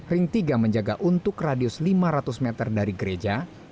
ring tiga menjaga untuk radius lima ratus meter dari gereja